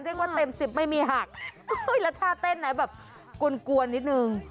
เรียกว่าเต็มสิบไม่มีหักแล้วท่าเต้นนะแบบกวนนิดนึง